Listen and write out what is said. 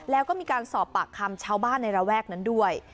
แล้วก็มีการสอบปากคำชาวบ้านในระแวกนั้นด้วย